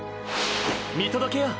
見届けよう！！